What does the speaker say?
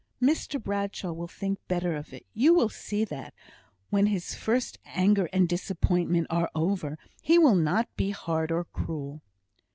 "Mr Bradshaw will think better of it. You will see that, when his first anger and disappointment are over, he will not be hard or cruel."